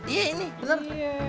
iya ini bener